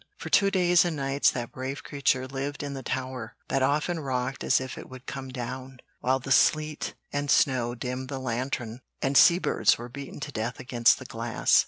For two days and nights that brave creature lived in the tower, that often rocked as if it would come down, while the sleet and snow dimmed the lantern, and sea birds were beaten to death against the glass.